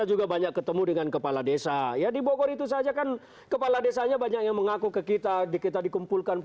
untuk para khusus yang dilakukan